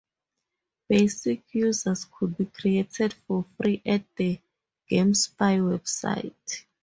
"Basic users" could be created for free at the GameSpy website.